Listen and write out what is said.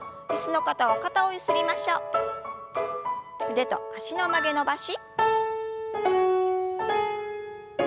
腕と脚の曲げ伸ばし。